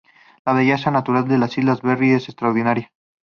La belleza natural de las Islas Berry es extraordinaria.